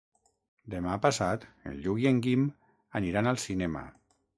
Demà passat en Lluc i en Guim aniran al cinema.